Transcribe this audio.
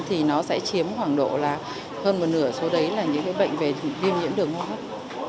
thì nó sẽ chiếm khoảng độ là hơn một nửa số đấy là những bệnh về viêm nhiễm đường hô hấp